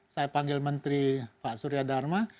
saya panggil menteri pak surya dharma